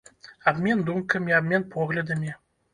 Абмен думкамі, абмен поглядамі.